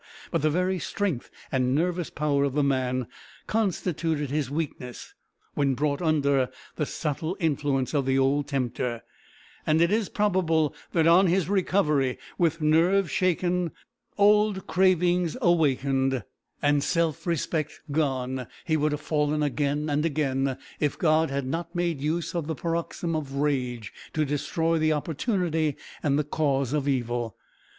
But the very strength and nervous power of the man constituted his weakness, when brought under the subtle influence of the old tempter, and it is probable that on his recovery, with nerves shaken, old cravings awakened, and self respect gone, he would have fallen again and again if God had not made use of the paroxysm of rage to destroy the opportunity and the cause of evil.